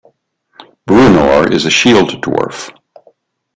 Bruenor is a Shield Dwarf.